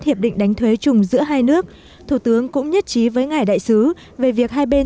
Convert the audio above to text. hiệp định đánh thuế chung giữa hai nước thủ tướng cũng nhất trí với ngài đại sứ về việc hai bên